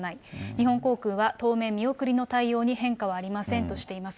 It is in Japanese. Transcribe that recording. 日本航空は当面見送りの対応に変化はありませんとしています。